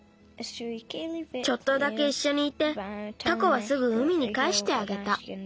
ちょっとだけいっしょにいてタコはすぐ海にかえしてあげた。